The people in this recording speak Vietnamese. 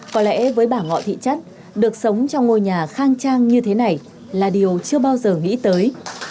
có lẽ với bà ngọ thị chất được sống trong ngôi nhà khang trang như thế này là điều chưa bao giờ nghĩ tới